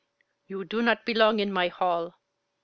You do not belong in my hall.